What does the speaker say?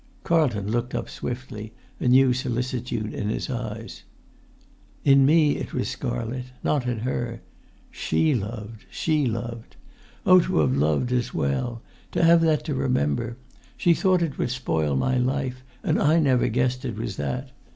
Carlton looked up swiftly, a new solicitude in his eyes. "In me it was scarlet: not in her. She loved ... she loved. Oh, to have loved as well—to have that to remember! ... She thought it would spoil my life; and I never guessed it was that!